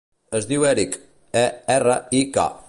Es diu Erik: e, erra, i, ca.